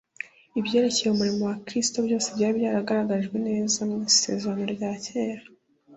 Ibyerekeye umurimo wa Kristo byose byari byaragaragajwe neza mu Isezerano rya kera;